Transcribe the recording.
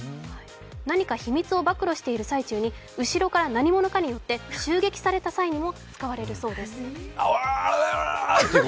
何か秘密を暴露している最中に後ろから何者かによって襲撃された際にも使われるそうです。